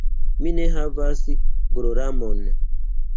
Mi ne havas gloramon.